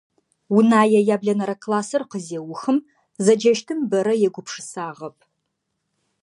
Унае яблэнэрэ классыр къызеухым, зэджэщтым бэрэ егупшысагъэп.